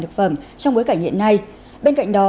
thực phẩm trong bối cảnh hiện nay bên cạnh đó